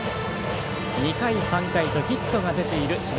２回、３回とヒットが出ている智弁